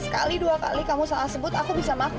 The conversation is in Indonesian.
kamu tau aku sayang banget sama kamu